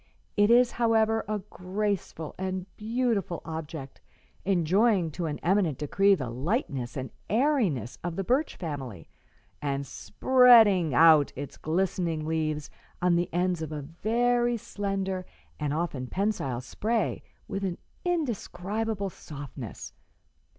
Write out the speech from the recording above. It is, however, a graceful and beautiful object, enjoying to an eminent decree the lightness and airiness of the birch family, and spreading out its glistening leaves on the ends of a very slender and often pensile spray with an indescribable softness.